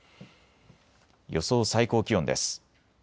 予想最高気温です。